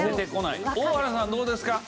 大原さんどうですか？